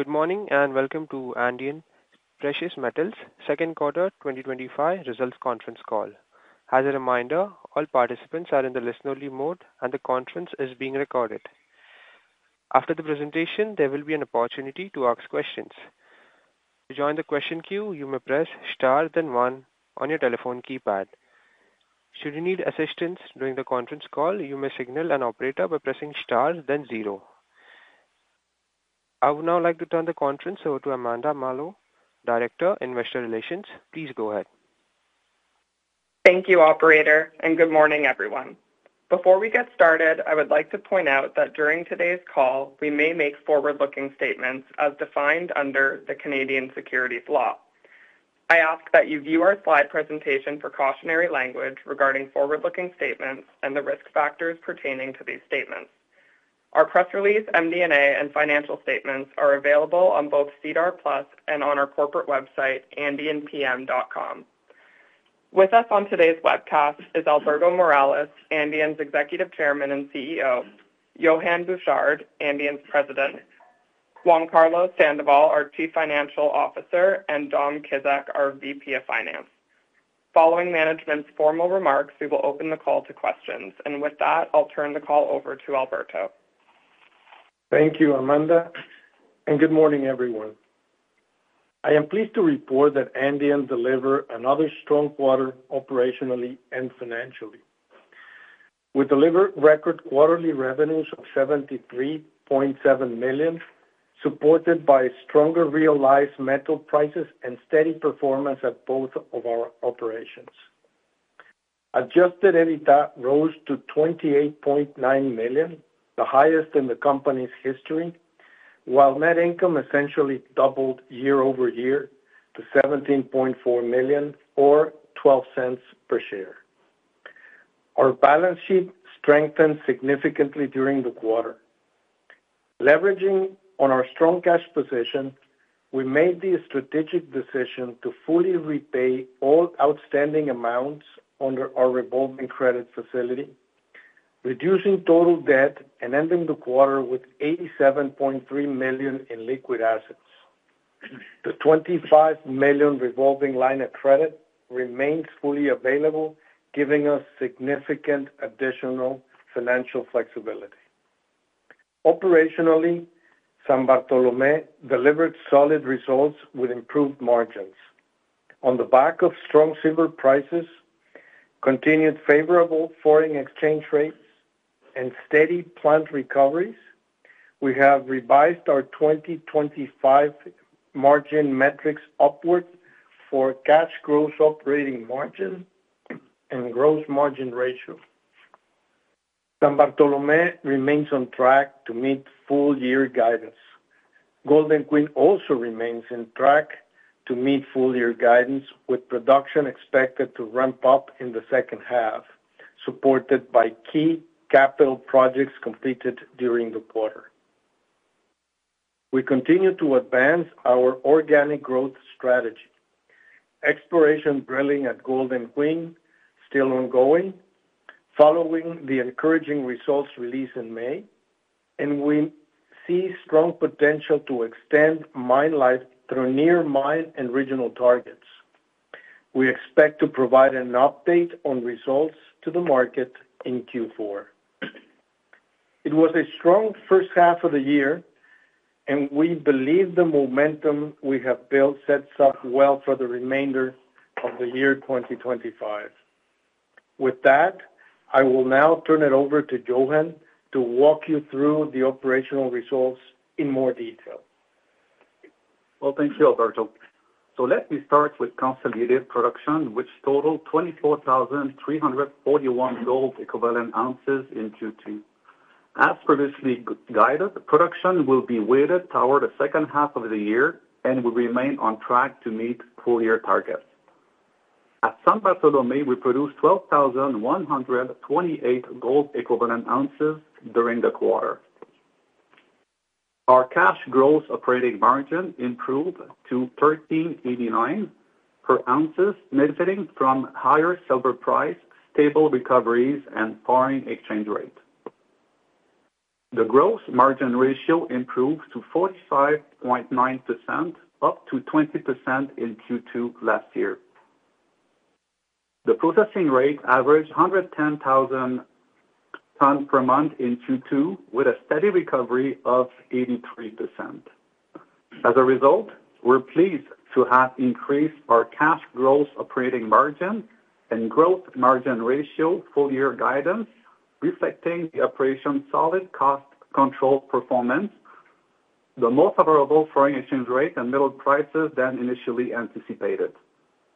Good morning and welcome to Andean Precious Metals Corp Second Quarter 2025 Results Conference Call. As a reminder, all participants are in listener mode and the conference is being recorded. After the presentation, there will be an opportunity to ask questions. To join the question queue, you may press * then 1 on your telephone keypad. Should you need assistance during the conference call, you may signal an operator by pressing * then 0. I would now like to turn the conference over to Amanda Mallough, Director of Investor Relations. Please go ahead. Thank you, Operator, and good morning, everyone. Before we get started, I would like to point out that during today's call, we may make forward-looking statements as defined under the Canadian Securities Law. I ask that you view our slide presentation for cautionary language regarding forward-looking statements and the risk factors pertaining to these statements. Our press release, MD&A, and financial statements are available on both SEDAR+ and on our corporate website, AndeanPM.com. With us on today's webcast is Alberto Morales, Andean's Executive Chairman and CEO, Yohann Bouchard, Andean's President, Juan Carlos Sandoval, our Chief Financial Officer, and Dom Kizek, our VP of Finance. Following management's formal remarks, we will open the call to questions, and with that, I'll turn the call over to Alberto. Thank you, Amanda, and good morning, everyone. I am pleased to report that Andean delivered another strong quarter operationally and financially. We delivered record quarterly revenues of $73.7 million, supported by stronger realized metal prices and steady performance at both of our operations. Adjusted EBITDA rose to $28.9 million, the highest in the company's history, while net income essentially doubled year-over-year to $17.4 million or $0.12 per share. Our balance sheet strengthened significantly during the quarter. Leveraging on our strong cash position, we made the strategic decision to fully repay all outstanding amounts under our revolving credit facility, reducing total debt and ending the quarter with $87.3 million in liquid assets. The $25 million revolving line of credit remains fully available, giving us significant additional financial flexibility. Operationally, San Bartolome delivered solid results with improved margins. On the back of strong silver prices, continued favorable foreign exchange rates, and steady plant recoveries, we have revised our 2025 margin metrics upwards for cash gross operating margin and gross margin ratio. San Bartolome remains on track to meet full-year guidance. Golden Queen also remains on track to meet full-year guidance, with production expected to ramp up in the second half, supported by key capital projects completed during the quarter. We continue to advance our organic growth strategy. Exploration drilling at Golden Queen is still ongoing, following the encouraging results released in May, and we see strong potential to extend mine life through near mine and regional targets. We expect to provide an update on results to the market in Q4. It was a strong first half of the year, and we believe the momentum we have built sets up well for the remainder of the year 2025. With that, I will now turn it over to Yohann to walk you through the operational results in more detail. Thank you, Alberto. Let me start with consolidated production, which totaled 24,341 GEO in Q2. As previously guided, production will be weighted toward the second half of the year and will remain on track to meet full-year targets. At San Bartolome, we produced 12,128 GEO during the quarter. Our cash gross operating margin improved to $13.89 per oz, benefiting from higher silver price, stable recoveries, and foreign exchange rate. The gross margin ratio improved to 45.9%, up from 20% in Q2 last year. The processing rate averaged 110,000 tons per month in Q2, with a steady recovery of 83%. As a result, we're pleased to have increased our cash gross operating margin and gross margin ratio full-year guidance, reflecting the operation's solid cost control performance, the most favorable foreign exchange rate and metal prices than initially anticipated.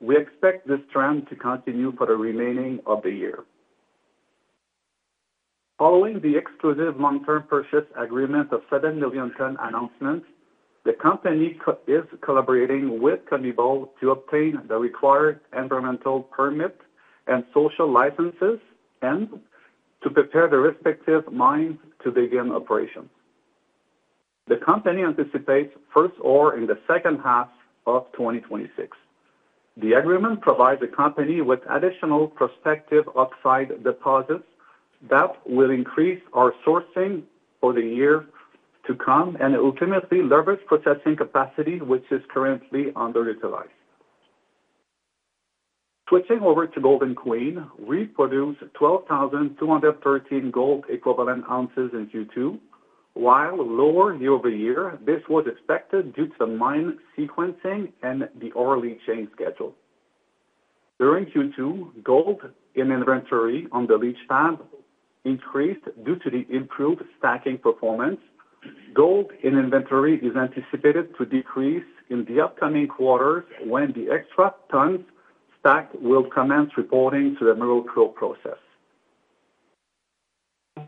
We expect this trend to continue for the remainder of the year. Following the exclusive long-term purchase agreement of 7 million ton announcement, the company is collaborating with COMIBOL to obtain the required environmental permits and social licenses and to prepare the respective mines to begin operations. The company anticipates first order in the second half of 2026. The agreement provides the company with additional prospective upside deposits that will increase our sourcing for the year to come and ultimately leverage processing capacity, which is currently underutilized. Switching over to Golden Queen, we produced 12,213 GEO in Q2, while lower year-over-year. This was expected due to the mine sequencing and the early chain schedule. During Q2, gold in inventory on the leach pad increased due to the improved stacking performance. Gold in inventory is anticipated to decrease in the upcoming quarters when the extra tons stacked will commence reporting to the mineral drill process.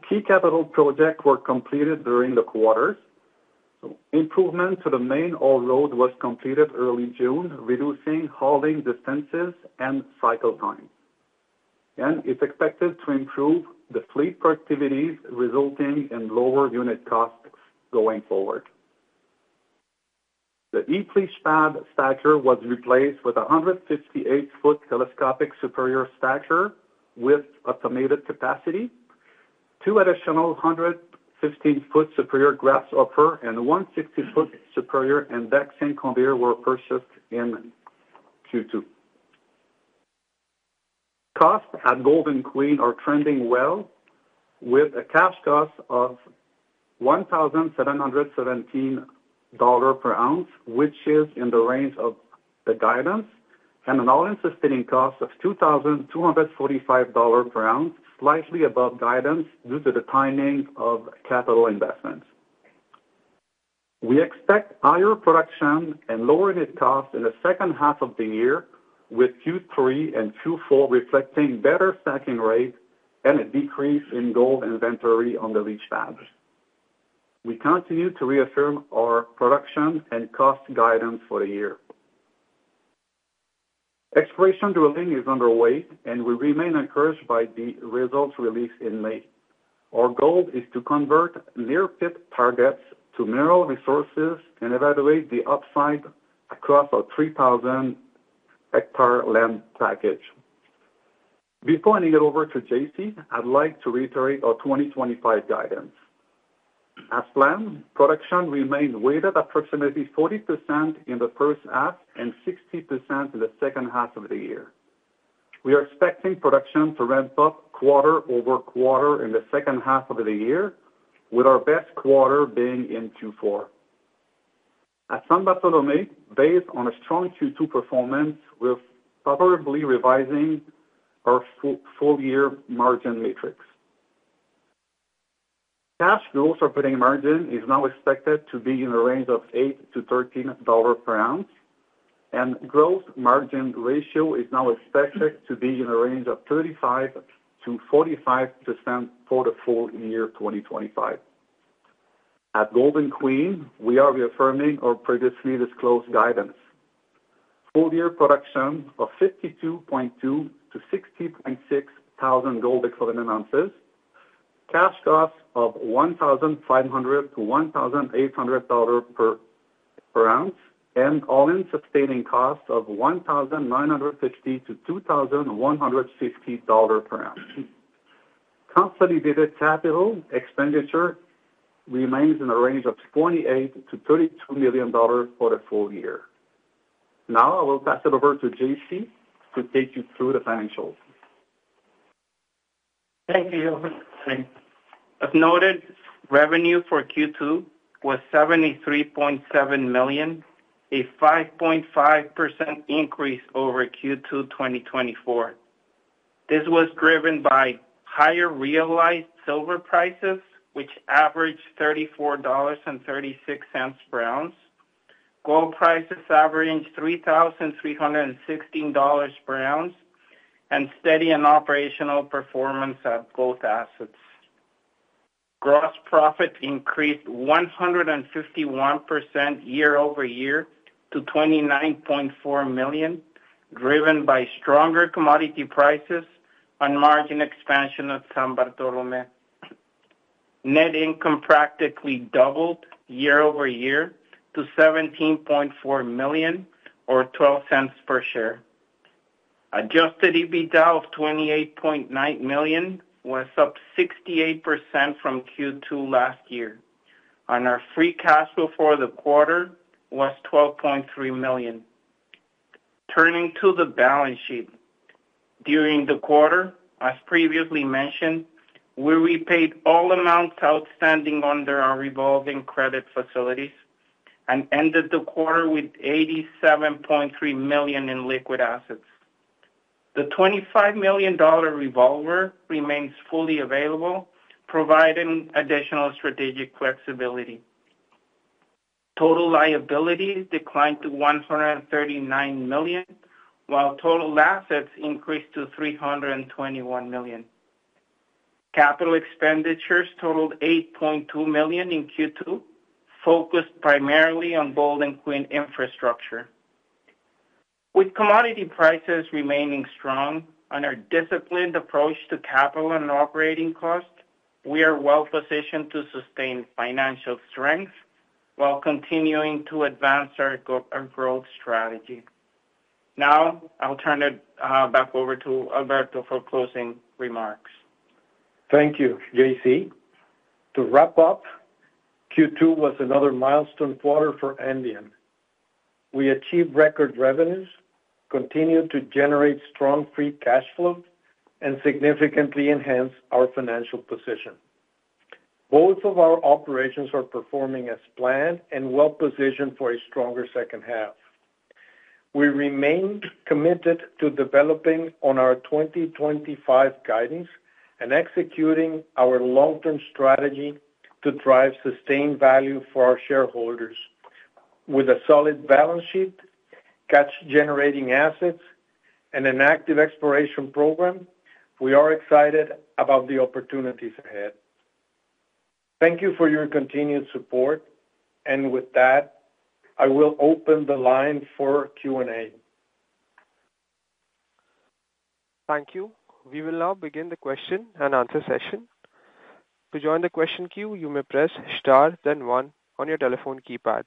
Key capital projects were completed during the quarter. Improvements to the main haul road were completed early June, reducing hauling distances and cycle time, and it's expected to improve the fleet productivity, resulting in lower unit costs going forward. The e-fleet pad stacker was replaced with a 158 ft telescopic Superior TeleStacker with automated capacity. Two additional 115 ft Superior Grasshopper and 160-foot Superior indexing Conveyor were purchased in Q2. Costs at Golden Queen are trending well, with a cash cost of $1,717 per ounce, which is in the range of the guidance, and an all-in sustaining cost of $2,245 per oz, slightly above guidance due to the timing of capital investments. We expect higher production and lower unit costs in the second half of the year, with Q3 and Q4 reflecting better stacking rates and a decrease in gold inventory on the leach pads. We continue to reaffirm our production and cost guidance for the year. Exploration drilling is underway, and we remain encouraged by the results released in May. Our goal is to convert near-pit targets to mineral resources and evaluate the upside across our 3,000-hectare land package. Before handing it over to J.C., I'd like to reiterate our 2025 guidance. As planned, production remains weighted approximately 40% in the first half and 60% in the second half of the year. We are expecting production to ramp up quarter over quarter in the second half of the year, with our best quarter being in Q4. At San Bartolome, based on a strong Q2 performance, we're favorably revising our full-year margin metrics. Cash gross operating margin is now expected to be in the range of $8-$13 per oz, and gross margin ratio is now expected to be in the range of 35%-45% for the full year 2025. At Golden Queen, we are reaffirming our previously disclosed guidance. Full-year production of 52,200-60,600 GEO, cash costs of $1,500-$1,800 per oz, and all-in sustaining costs of $1,950-$2,150 per oz. Consolidated capital expenditure remains in the range of $28 million-$32 million for the full year. Now, I will pass it over to J.C. to take you through the financials. Thank you. I've noted revenue for Q2 was $73.7 million, a 5.5% increase over Q2 2024. This was driven by higher realized silver prices, which averaged $34.36 per oz, gold prices averaged $3,316 per oz, and steady operational performance at both assets. Gross profit increased 151% year-over-year to $29.4 million, driven by stronger commodity prices and margin expansion at San Bartolome. Net income practically doubled year-over-year to $17.4 million or $0.12 per share. Adjusted EBITDA of $28.9 million was up 68% from Q2 last year, and our free cash flow for the quarter was $12.3 million. Turning to the balance sheet, during the quarter, as previously mentioned, we repaid all amounts outstanding under our revolving credit facility and ended the quarter with $87.3 million in liquid assets. The $25 million revolver remains fully available, providing additional strategic flexibility. Total liabilities declined to $139 million, while total assets increased to $321 million. Capital expenditures totaled $8.2 million in Q2, focused primarily on Golden Queen infrastructure. With commodity prices remaining strong and our disciplined approach to capital and operating costs, we are well positioned to sustain financial strength while continuing to advance our growth strategy. Now, I'll turn it back over to Alberto for closing remarks. Thank you, J.C. To wrap up, Q2 was another milestone quarter for Andean. We achieved record revenues, continued to generate strong free cash flow, and significantly enhanced our financial position. Both of our operations are performing as planned and well positioned for a stronger second half. We remain committed to developing on our 2025 guidance and executing our long-term strategy to drive sustained value for our shareholders. With a solid balance sheet, cash-generating assets, and an active exploration program, we are excited about the opportunities ahead. Thank you for your continued support, and with that, I will open the line for Q&A. Thank you. We will now begin the question and answer session. To join the question queue, you may press * then one on your telephone keypad.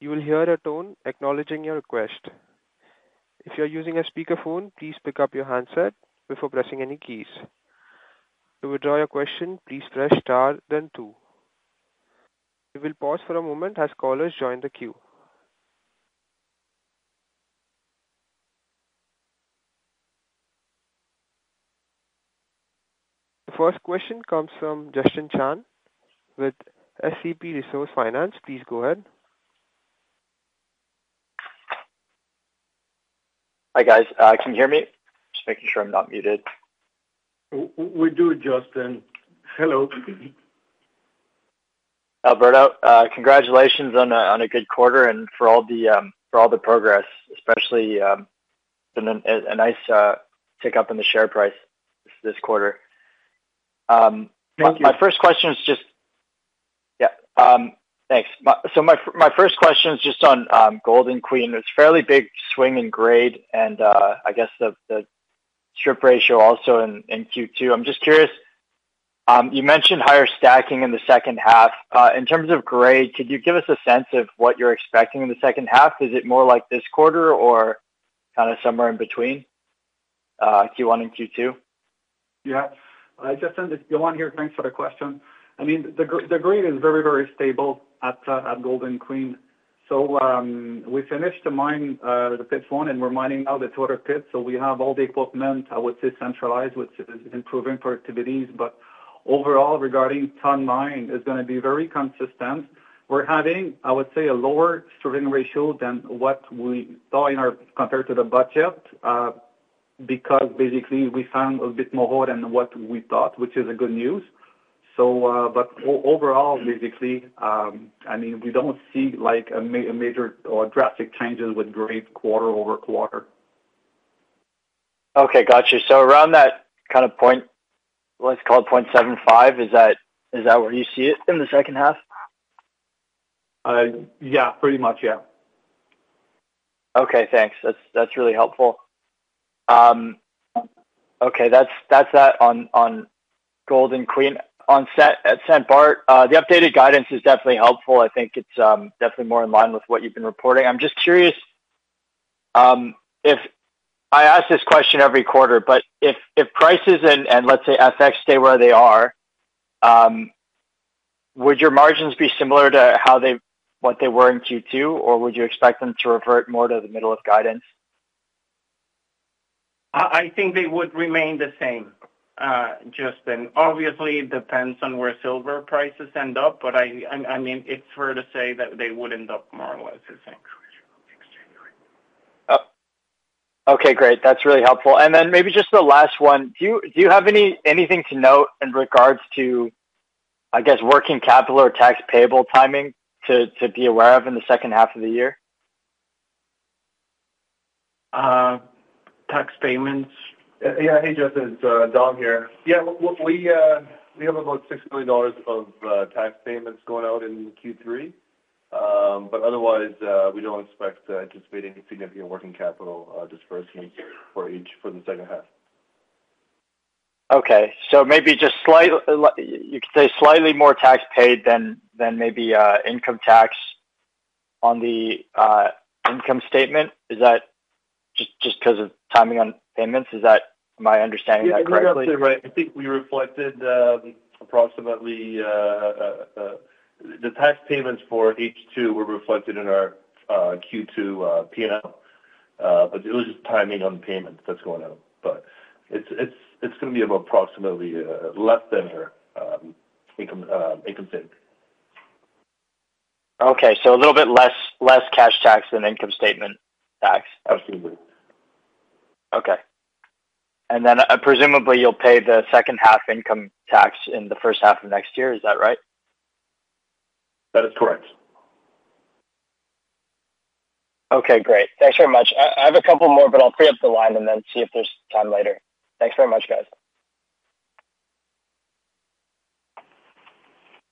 You will hear a tone acknowledging your request. If you are using a speakerphone, please pick up your handset before pressing any keys. To withdraw your question, please press * then two. We will pause for a moment as callers join the queue. The first question comes from Justin Chan with SCP Resource Finance. Please go ahead. Hi guys, can you hear me? Just making sure I'm not muted. We do, Justin. Hello. Alberto, congratulations on a good quarter and for all the progress, especially a nice tick up in the share price this quarter. Thank you. Thank you. My first question is just on Golden Queen. It was a fairly big swing in grade, and I guess the chip ratio also in Q2. I'm just curious, you mentioned higher stacking in the second half. In terms of grade, could you give us a sense of what you're expecting in the second half? Is it more like this quarter or kind of somewhere in between Q1 and Q2? Yeah, Justin, Yohann here, thanks for the question. I mean, the grade is very, very stable at Golden Queen. We finished the mine, the pit one, and we're mining now the third pit. We have all the equipment, I would say, centralized, which is improving productivities. Overall, regarding ton mine, it's going to be very consistent. We're having, I would say, a lower stripping ratio than what we thought compared to the budget, because basically we found a bit more gold than what we thought, which is good news. Overall, basically, I mean, we don't see like a major or drastic changes with grade quarter over quarter. Okay, got you. Around that kind of point, let's call it $0.75. Is that where you see it in the second half? Yeah, pretty much. Okay, thanks. That's really helpful. Okay, that's that on Golden Queen. On San Bartolome, the updated guidance is definitely helpful. I think it's definitely more in line with what you've been reporting. I'm just curious, I ask this question every quarter, but if prices and let's say FX stay where they are, would your margins be similar to how they were in Q2, or would you expect them to revert more to the middle of guidance? I think they would remain the same, Justin. Obviously, it depends on where silver prices end up, but I mean it's fair to say that they would end up more or less the same price from next year. Okay, great. That's really helpful. Maybe just the last one. Do you have anything to note in regards to, I guess, working capital or tax payable timing to be aware of in the second half of the year? Tax payments? Yeah, hey, Justin, it's Dom here. We have about $6 million of tax payments going out in Q3, but otherwise, we don't expect to anticipate any significant working capital this first week for the second half. Okay, so maybe just slightly, you could say slightly more tax paid than maybe income tax on the income statement. Is that just because of timing on payments? Is that, am I understanding that correctly? You're absolutely right. I think we reflected approximately the tax payments for H2 were reflected in our Q2 P&L, it was just timing on the payment that's going out. It's going to be approximately less than her income statement. Okay, so a little bit less cash tax and income statement tax. Absolutely. Okay. Presumably you'll pay the second half income tax in the first half of next year. Is that right? That is correct. Okay, great. Thanks very much. I have a couple more, but I'll free up the line and see if there's time later. Thanks very much, guys.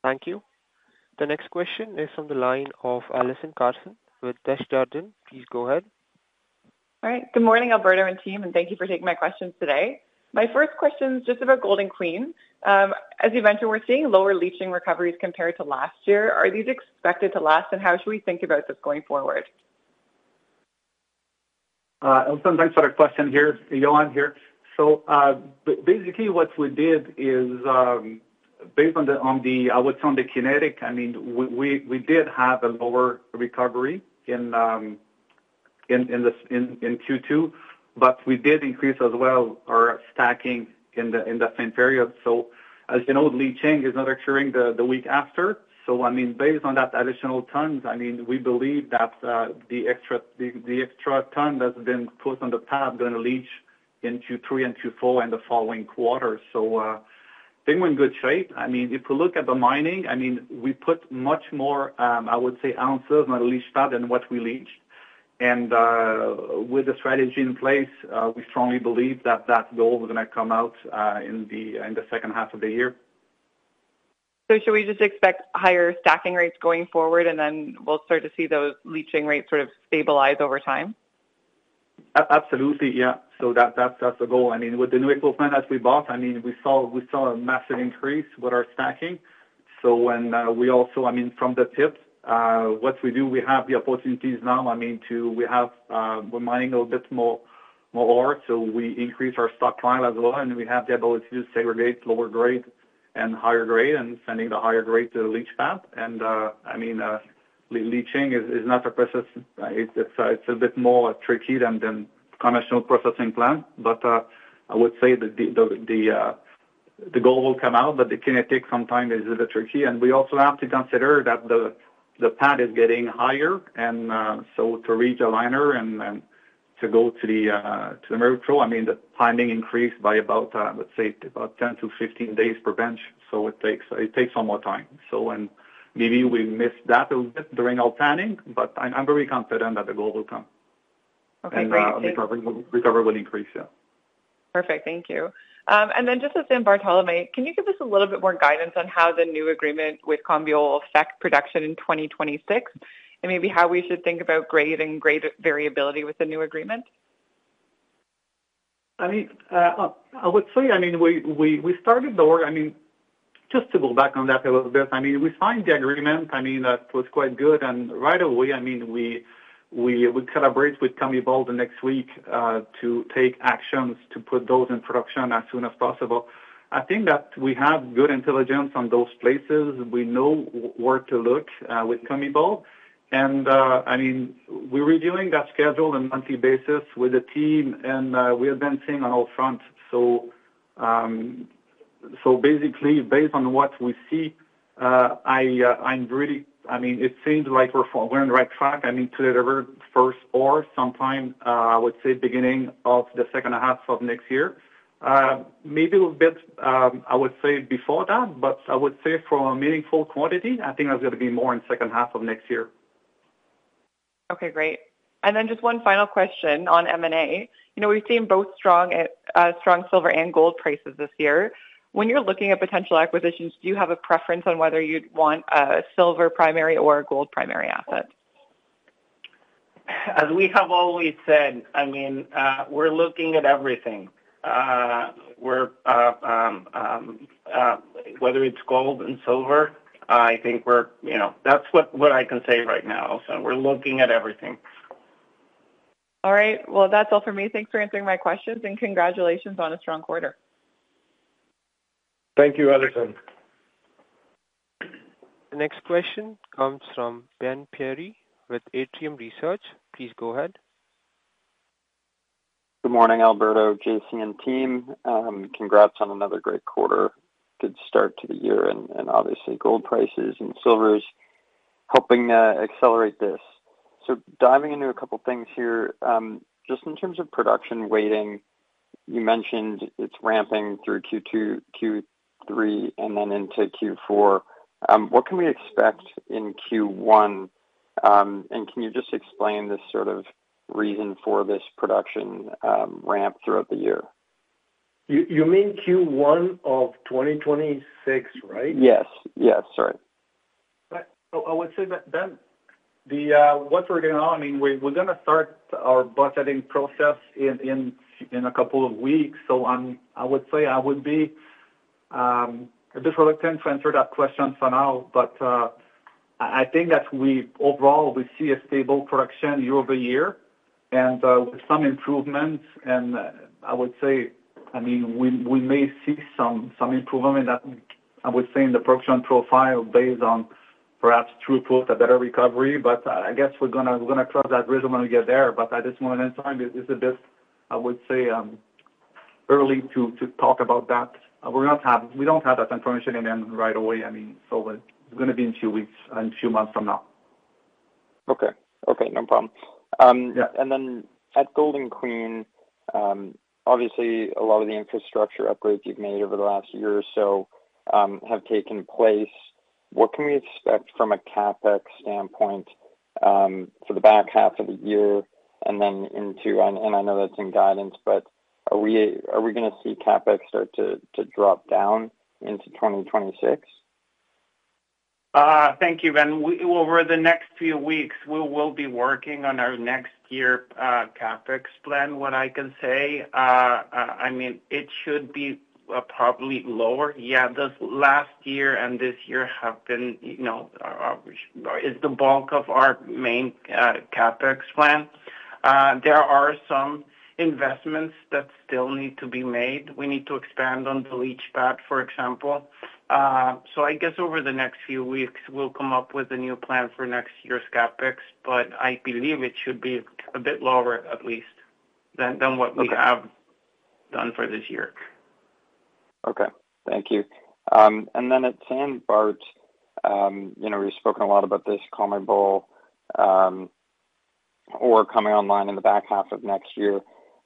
Thank you. The next question is from the line of Alison Carson with Desjardins. Please go ahead. All right. Good morning, Alberto and team, and thank you for taking my questions today. My first question is just about Golden Queen. As you mentioned, we're seeing lower leaching recoveries compared to last year. Are these expected to last, and how should we think about this going forward? Alison, thanks for the question here. Yohann here. Basically, what we did is based on the, I would say, on the kinetic, I mean, we did have a lower recovery in Q2, but we did increase as well our stacking in the same period. As you know, leaching is not occurring the week after. Based on that additional tons, we believe that the extra ton that's been put on the pad is going to leach in Q3 and Q4 and the following quarters. Things are in good shape. If we look at the mining, we put much more, I would say, ounces on the leach pad than what we leach. With the strategy in place, we strongly believe that that gold is going to come out in the second half of the year. Should we just expect higher stacking rates going forward, and then we'll start to see those leaching rates sort of stabilize over time? Absolutely, yeah. That's the goal. With the new equipment that we bought, we saw a massive increase with our stacking. From the tip, what we do, we have the opportunities now to mine a little bit more ore, so we increase our stockpile as well, and we have the ability to segregate lower grade and higher grade and send the higher grade to the leach pad. Leaching is not a process that's as straightforward as conventional processing plants, but I would say that the gold will come out, though the kinetics sometimes are a bit tricky. We also have to consider that the pad is getting higher, and to reach a liner and to go to the milk trough, the timing increased by about 10-15 days per bench. It takes some more time. Maybe we missed that a little bit during our planning, but I'm very confident that the gold will come. Okay, great. The recovery will increase, yeah. Perfect. Thank you. At San Bartolome, can you give us a little bit more guidance on how the new agreement with COMIBOL will affect production in 2026 and maybe how we should think about grade and grade variability with the new agreement? I would say we started the work, just to go back on that a little bit. We signed the agreement, that was quite good. Right away, we collaborated with COMIBOL the next week to take actions to put those in production as soon as possible. I think that we have good intelligence on those places. We know where to look with COMIBOL. We're reviewing that schedule on a monthly basis with the team, and we've been seeing on all fronts. Basically, based on what we see, it seems like we're on the right track to deliver the first hour sometime, I would say, beginning of the second half of next year. Maybe a little bit before that, but for a meaningful quantity, I think that's going to be more in the second half of next year. Okay, great. Just one final question on M&A. You know, we've seen both strong silver and gold prices this year. When you're looking at potential acquisitions, do you have a preference on whether you'd want a silver primary or a gold primary asset? As we have always said, we're looking at everything. Whether it's gold and silver, that's what I can say right now. We're looking at everything. All right. That's all for me. Thanks for answering my questions, and congratulations on a strong quarter. Thank you, Alison. The next question comes from Ben Pirie with Atrium Research. Please go ahead. Good morning, Alberto, J.C., and team. Congrats on another great quarter. Good start to the year, and obviously, gold prices and silver is helping accelerate this. Diving into a couple of things here, just in terms of production waiting, you mentioned it's ramping through Q2, Q3, and then into Q4. What can we expect in Q1? Can you just explain this sort of reason for this production ramp throughout the year? You mean Q1 of 2026, right? Yes, sorry. I would say that what's working on, we're going to start our budgeting process in a couple of weeks. I would be a bit reluctant to answer that question for now, but I think that we overall see a stable production year-over-year with some improvements. I would say we may see some improvement in the production profile based on perhaps throughput, a better recovery. I guess we're going to cross that bridge when we get there. At this moment in time, it's a bit early to talk about that. We don't have that information in right away. It's going to be in two weeks and two months from now. Okay, no problem. At Golden Queen, obviously, a lot of the infrastructure upgrades you've made over the last year or so have taken place. What can we expect from a CapEx standpoint for the back half of the year? I know that's in guidance, but are we going to see CapEx start to drop down into 2026? Thank you, Ben. Over the next few weeks, we will be working on our next year CapEx plan. What I can say, I mean, it should be probably lower. This last year and this year have been the bulk of our main CapEx plan. There are some investments that still need to be made. We need to expand on the leach pad, for example. Over the next few weeks, we'll come up with a new plan for next year's CapEx, but I believe it should be a bit lower, at least, than what we have done for this year. Okay. Thank you. At San Bartolome, we've spoken a lot about this COMIBOL or coming online in the back half of next year.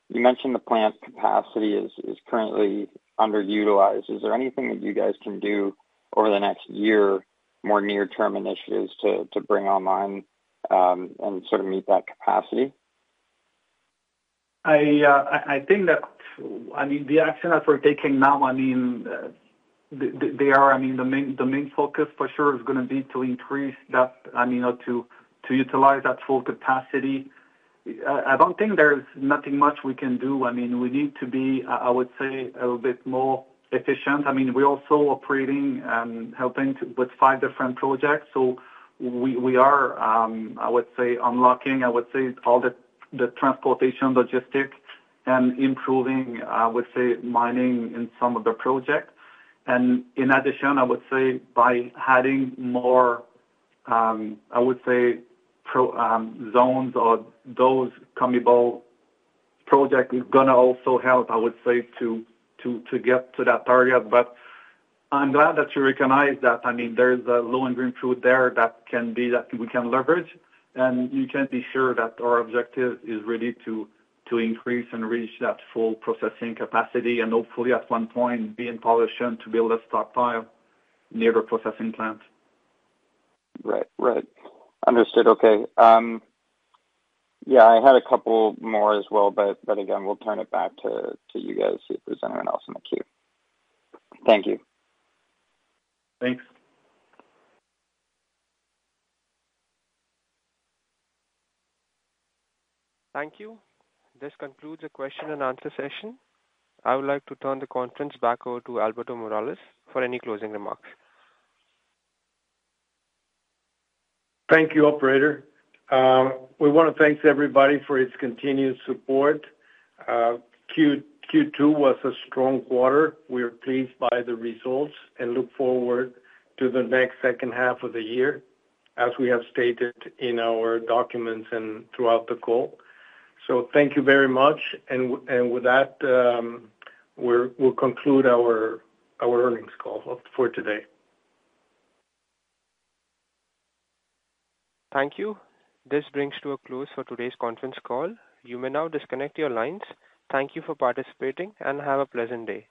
You mentioned the plant's capacity is currently underutilized. Is there anything that you guys can do over the next year, more near-term initiatives to bring online and sort of meet that capacity? I think that the action that we're taking now, the main focus for sure is going to be to increase that, or to utilize that full capacity. I don't think there's much we can do. We need to be, I would say, a little bit more efficient. We're also operating and helping with five different projects. We are unlocking all the transportation logistics and improving mining in some of the projects. In addition, by adding more zones or those COMIBOL projects, it's going to also help to get to that target. I'm glad that you recognize that there's a low-end input there that we can leverage. You can be sure that our objective is really to increase and reach that full processing capacity and hopefully, at one point, be in position to build a stockpile near the processing plant. Right. Understood. Okay. I had a couple more as well, but again, we'll turn it back to you guys to see if there's anyone else in the queue. Thank you. Thanks. Thank you. This concludes the question and answer session. I would like to turn the conference back over to Alberto Morales for any closing remarks. Thank you, Operator. We want to thank everybody for its continued support. Q2 was a strong quarter. We are pleased by the results and look forward to the next second half of the year, as we have stated in our documents and throughout the call. Thank you very much. With that, we'll conclude our earnings call for today. Thank you. This brings to a close for today's conference call. You may now disconnect your lines. Thank you for participating and have a pleasant day.